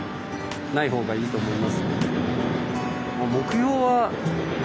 ない方がいいと思いますので。